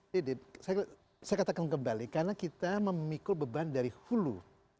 saya katakan kembali karena kita memikul beban dari hulu